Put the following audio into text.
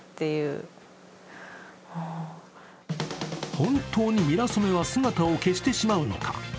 本当にミラソメは姿を消してしまうのか。